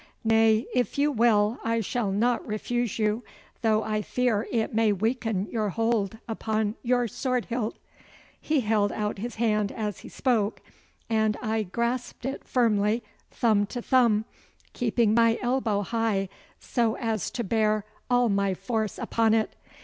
Nay, if you will I shall not refuse you, though I fear it may weaken your hold upon your sword hilt.' He held out his hand as he spoke, and I grasped it firmly, thumb to thumb, keeping my elbow high so as to bear all my force upon it.